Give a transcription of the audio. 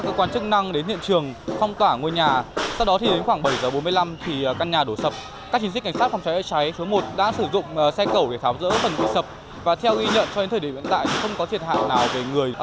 và theo ghi nhận cho đến thời điểm hiện tại không có thiệt hạn nào về người